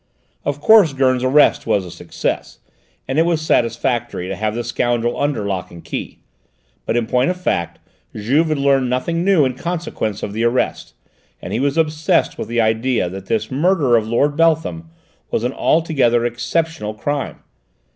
Of course Gurn's arrest was a success, and it was satisfactory to have the scoundrel under lock and key, but in point of fact Juve had learned nothing new in consequence of the arrest, and he was obsessed with the idea that this murder of Lord Beltham was an altogether exceptional crime.